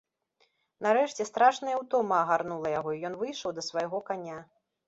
Нарэшце страшная ўтома агарнула яго, і ён выйшаў да свайго каня.